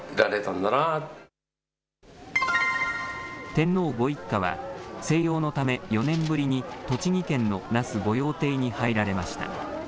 天皇ご一家は、静養のため、４年ぶりに栃木県の那須御用邸に入られました。